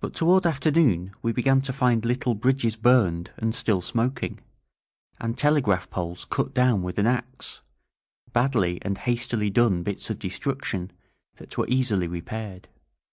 But toward after noon we began to find little bridges burned and still smoking, and telegraph poles cut down with an axe — badly and hastily done bits of destruction that were easily repaired.